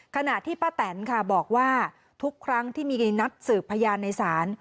ขณะที่ป้าแตนค่ะบอกว่าทุกครั้งที่มีการนัดสืบพยานในศาล